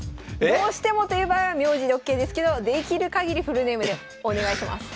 どうしてもという場合は名字でＯＫですけどできるかぎりフルネームでお願いします。